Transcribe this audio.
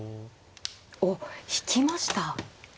おっ引きました。